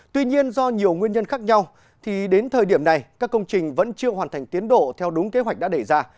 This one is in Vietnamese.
tuy nhiên do nhiều nguyên nhân khác nhau thì đến thời điểm này các công trình vẫn chưa hoàn thành tiến độ theo đúng kế hoạch đã đẩy ra